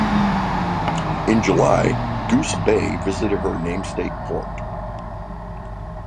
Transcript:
In July, "Goose Bay" visited her namesake port.